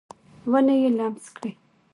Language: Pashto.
ونې یې لمس کړي